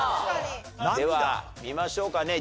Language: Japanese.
では見ましょうかね。